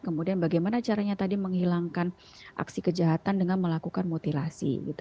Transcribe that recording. kemudian bagaimana caranya tadi menghilangkan aksi kejahatan dengan melakukan mutilasi